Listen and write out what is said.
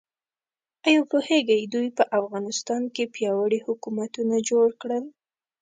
ایا پوهیږئ دوی په افغانستان کې پیاوړي حکومتونه جوړ کړل؟